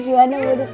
gimana udah dipikir